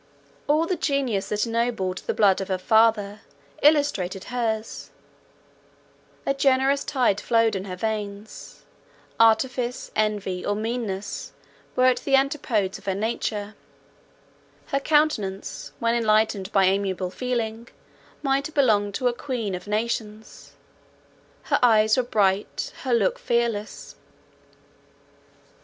All the genius that ennobled the blood of her father illustrated hers; a generous tide flowed in her veins; artifice, envy, or meanness, were at the antipodes of her nature; her countenance, when enlightened by amiable feeling, might have belonged to a queen of nations; her eyes were bright; her look fearless.